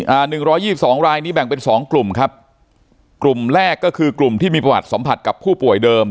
หนึ่งร้อยยี่สิบสองรายนี้แบ่งเป็นสองกลุ่มครับกลุ่มแรกก็คือกลุ่มที่มีประวัติสัมผัสกับผู้ป่วยเดิม